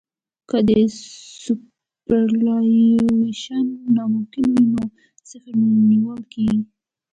که سوپرایلیویشن ناممکن وي نو صفر نیول کیږي